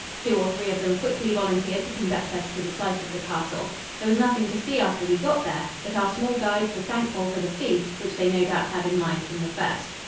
Two or three of them quickly volunteered to conduct us to the site of the castle. There was nothing to see after we got there, but our small guides were thankful for the fee, which they no doubt had in mind from the first.